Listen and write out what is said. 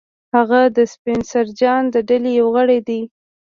هغه د سپنسر جان د ډلې یو غړی دی